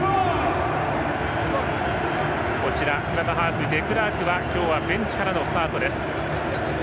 スクラムハーフのデクラークは今日はベンチからのスタートです。